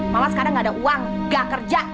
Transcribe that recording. malah sekarang gak ada uang gak kerja